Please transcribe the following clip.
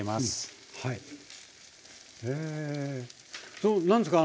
その何ですか？